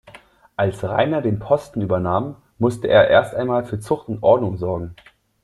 Als Rainer den Posten übernahm, musste er erst einmal für Zucht und Ordnung sorgen.